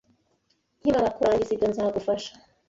Nkimara kurangiza ibyo, nzagufasha